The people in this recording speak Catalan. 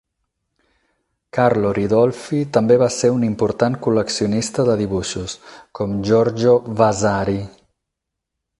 Carlo Ridolfi també va ser un important col·leccionista de dibuixos, com Giorgio Vasari.